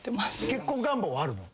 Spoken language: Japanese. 結婚願望はあるの？